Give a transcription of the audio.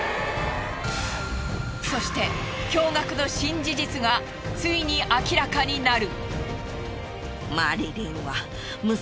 そして驚愕の新事実がついに明らかになる。